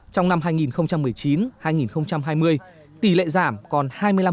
trong năm hai nghìn một mươi chín hai nghìn hai mươi tỷ lệ giảm còn hai mươi năm